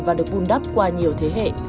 và được vun đắp qua nhiều thế hệ